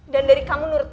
dan dari kamu menurut